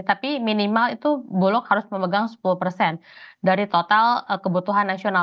tapi minimal itu bulog harus memegang sepuluh persen dari total kebutuhan nasional